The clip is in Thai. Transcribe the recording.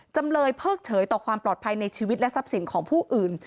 จำเลยเพิกเฉยต่อความปลอดภัยในชีวิตและทรัพย์สินของผู้อื่น